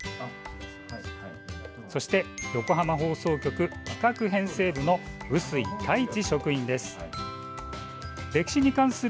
そして横浜放送局企画編成部の臼井太一職員です。